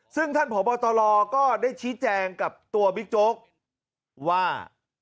ซึ่งท่านผอบตรก็ได้ชี้แจงกับตัวบิ๊กโจ๊กว่า